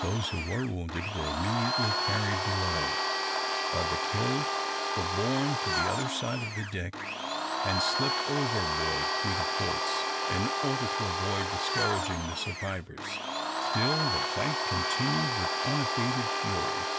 Those who were wounded were immediately carried below, while the killed were borne to the other side of the deck, and slipped overboard through the ports, in order to avoid discouraging the survivors. Still the fight continued with unabated fury.